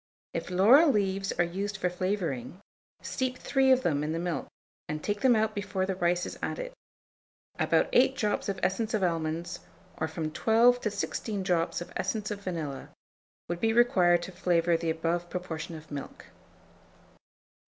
If laurel leaves are used for flavouring, steep 3 of them in the milk, and take them out before the rice is added: about 8 drops of essence of almonds, or from 12 to 16 drops of essence of vanilla, would be required to flavour the above proportion of milk.